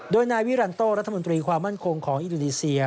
โดยนายวิรันโต้รัฐมนตรีความมั่นคงของอินโดนีเซีย